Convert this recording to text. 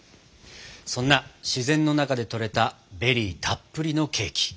そんな自然の中で採れたベリーたっぷりのケーキ。